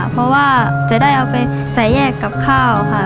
เพราะว่าจะได้เอาไปใส่แยกกับข้าวค่ะ